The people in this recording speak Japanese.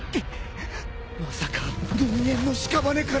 まさか人間のしかばねから。